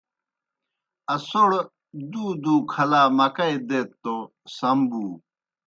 اسَوڑ دُو دُو کھلا مکئی دیت توْ سم بُو۔